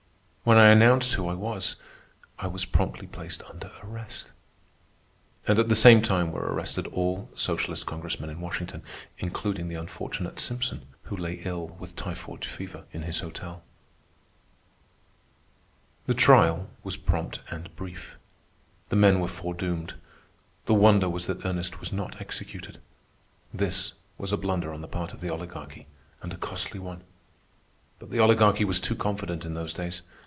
When I announced who I was, I was promptly placed under arrest. And at the same time were arrested all socialist Congressmen in Washington, including the unfortunate Simpson, who lay ill with typhoid fever in his hotel. The trial was prompt and brief. The men were foredoomed. The wonder was that Ernest was not executed. This was a blunder on the part of the Oligarchy, and a costly one. But the Oligarchy was too confident in those days.